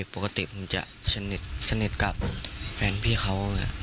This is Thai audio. ปกติมันจะสนิทกับแฟนพี่เขา